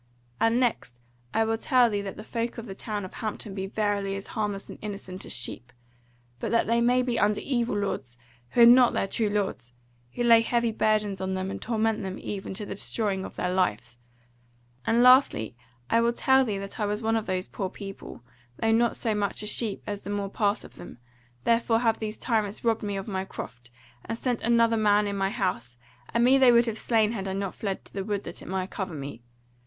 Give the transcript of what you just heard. And next I will tell thee that the folk of the town of Hampton be verily as harmless and innocent as sheep; but that they be under evil lords who are not their true lords, who lay heavy burdens on them and torment them even to the destroying of their lives: and lastly I will tell thee that I was one of those poor people, though not so much a sheep as the more part of them, therefore have these tyrants robbed me of my croft, and set another man in my house; and me they would have slain had I not fled to the wood that it might cover me.